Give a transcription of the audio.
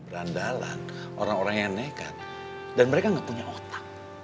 berandalan orang orang yang nekat dan mereka nggak punya otak